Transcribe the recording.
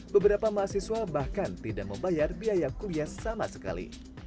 beberapa mahasiswa bahkan tidak membayar biaya kuliah sama sekali